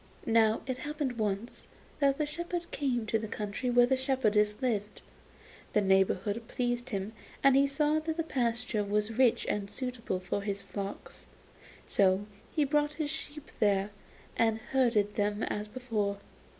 Now it happened once that the shepherd came to the country where the shepherdess lived. The neighbourhood pleased him, and he saw that the pasture was rich and suitable for his flocks. So he brought his sheep there, and herded them as before.